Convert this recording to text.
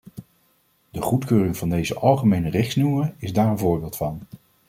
De goedkeuring van deze algemene richtsnoeren is daar een voorbeeld van.